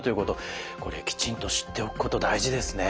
これきちんと知っておくこと大事ですね。